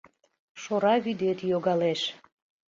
Шора вӱдет йогалеш